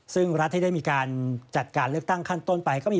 ซึ่งรัฐที่ได้มีการจัดการเลือกตั้งขั้นต้นไปก็มี